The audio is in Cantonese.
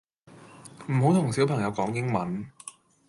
唔好同小朋友講英文